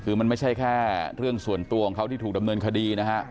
คือมันไม่ใช่แค่เรื่องส่วนตัวของเขาที่ถูกดำเนินคดีนะฮะ